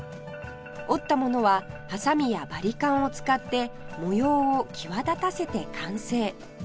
織ったものははさみやバリカンを使って模様を際立たせて完成